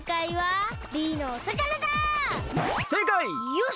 よし！